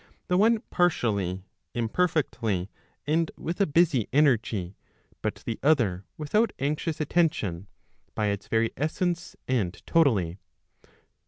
the one partially, imperfectly, and with a busy energy, but the other without anxious attention, by its very essence, and totally